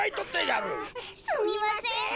すみません。